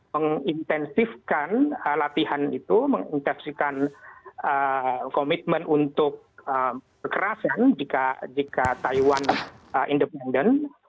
mengintensifkan latihan itu mengintensifkan komitmen untuk kekerasan jika taiwan independen